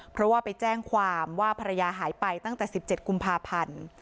เพราะว่าไปแจ้งความว่าภรรยาหายไปตั้งแต่๑๗กุมภาพันธ์